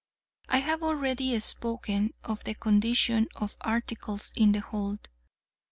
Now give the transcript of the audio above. I have already spoken of the condition of articles in the hold.